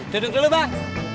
duduk dulu bang